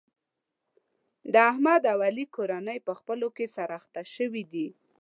د احمد او علي کورنۍ په خپلو کې سره اخته شوې دي.